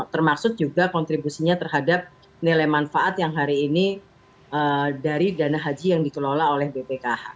termasuk juga kontribusinya terhadap nilai manfaat yang hari ini dari dana haji yang dikelola oleh bpkh